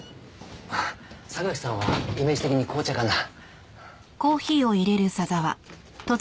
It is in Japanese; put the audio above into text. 榊さんはイメージ的に紅茶かな？